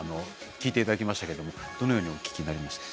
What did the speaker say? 聞いていただきましたけれどもどのようにお聞きになりましたか？